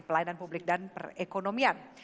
pelayanan publik dan perekonomian